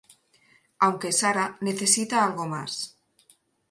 Aunque Sarah necesita algo más.